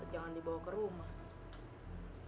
jangan dibawa ke rumah